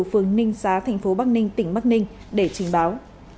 phường ninh xá thành phố bắc ninh tỉnh bắc ninh để trình báo